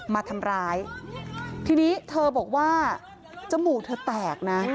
มาทำร้ายทีนี้เธอบอกว่าจมูกเธอแตกนะ